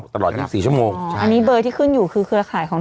ตลอดนี่๔ชั่วโมง